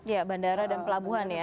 ya bandara dan pelabuhan ya